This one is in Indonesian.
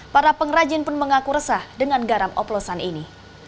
para pengrajin pun mengaku resah dengan garam oplosan ini